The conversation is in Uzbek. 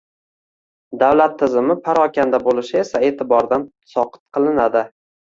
davlat tizimi parokanda bo‘lishi esa e’tibordan soqit qilinadi.